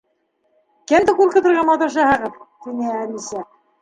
—Кемде ҡурҡытырға маташаһығыҙ? —тине Әлисә.